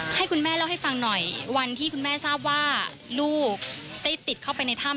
ให้คุณแม่เล่าให้ฟังหน่อยวันที่คุณแม่ทราบว่าลูกได้ติดเข้าไปในถ้ำ